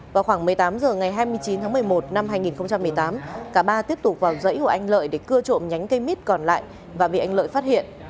vào khoảng một mươi tám h ngày hai mươi chín tháng một mươi một năm hai nghìn một mươi tám cả ba tiếp tục vào dãy của anh lợi để cưa trộm nhánh cây mít còn lại và bị anh lợi phát hiện